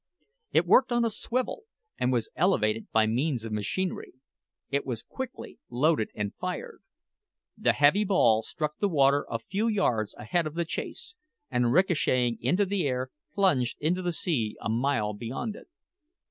It worked on a swivel, and was elevated by means of machinery. It was quickly loaded and fired. The heavy ball struck the water a few yards ahead of the chase, and ricochetting into the air, plunged into the sea a mile beyond it.